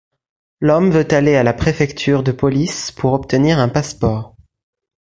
L’homme veut aller à la Préfecture de police pour obtenir un passeport.